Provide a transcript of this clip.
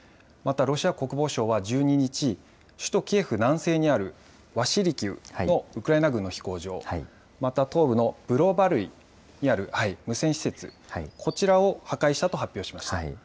また、ロシア国防省は１２日、首都キエフ南西にあるワシリキウのウクライナ軍の飛行場、また、東部のブロバルイにある無線施設、こちらを破壊したと発表しました。